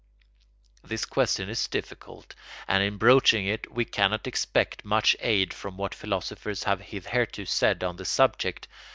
This question is difficult, and in broaching it we cannot expect much aid from what philosophers have hitherto said on the subject.